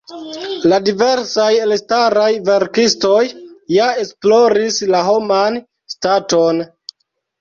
La diversaj elstaraj verkistoj ja esploris la homan staton.